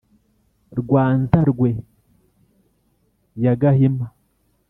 rwa nzarwe ya gahima,